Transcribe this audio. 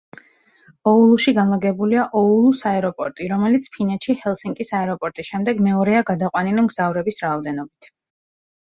ოულუში განლაგებულია ოულუს აეროპორტი, რომელიც ფინეთში, ჰელსინკის აეროპორტის შემდეგ, მეორეა გადაყვანილი მგზავრების რაოდენობით.